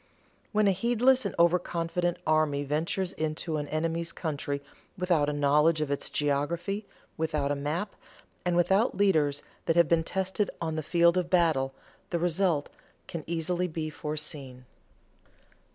When a heedless and over confident army ventures into an enemy's country without a knowledge of its geography, without a map, and without leaders that have been tested on the field of battle, the result can easily be foreseen.